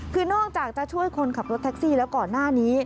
คือนอกจากจะช่วยคนขับรถแท็กซี่แล้วก่อนหน้านี้